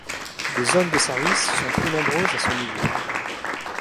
Des zones de service sont plus nombreuses à ce niveau.